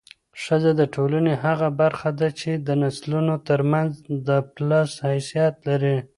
ښځه د ټولنې هغه برخه ده چي د نسلونو ترمنځ د پله حیثیت لري.